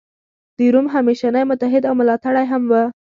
د روم همېشنی متحد او ملاتړی هم و.